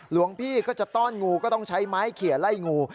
หลวงพี่ก็จะต้อนงูก็ต้องใช้ไม้เขียนไล่งู